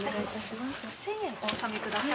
１，０００円お納めください。